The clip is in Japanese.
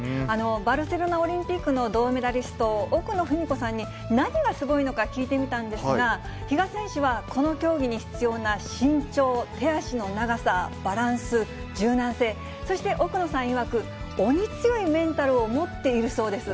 バルセロナオリンピックの銅メダリスト、奥野史子さんに何がすごいのか聞いてみたんですが、比嘉選手はこの競技に必要な身長、手足の長さ、バランス、柔軟性、そして奥野さんいわく、鬼強いメンタルを持っているそうです。